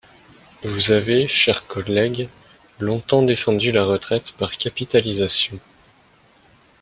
Vous avez, chers collègues, longtemps défendu la retraite par capitalisation.